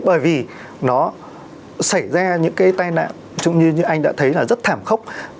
bởi vì nó xảy ra những cái tai nạn như anh đã thấy là rất thảm khốc